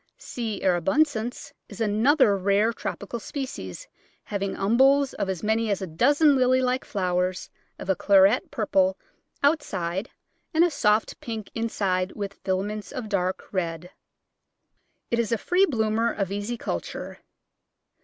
C. erubescens is an other rare tropical species, having umbels of as many as a dozen lily like flowers of a claret purple outside and a soft pink inside with filaments of dark red. It is a free bloomer of easy culture.